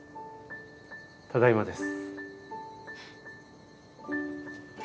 ただいまです。